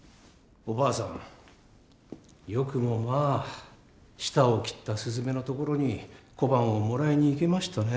よくもまあ舌を切ったすずめの所に小判をもらいに行けましたね。